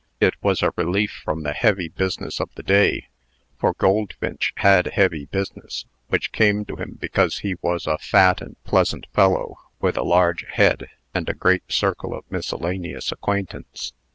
It was a relief from the heavy business of the day; for Goldfinch had heavy business, which came to him because he was a fat and pleasant fellow, with a large head, and a great circle of miscellaneous acquaintance.